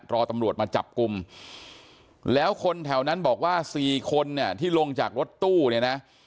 รอตำรวจมาจับกลุ่มแล้วคนแถวนั้นบอกว่าสี่คนเนี่ยที่ลงจากรถตู้เนี่ยนะ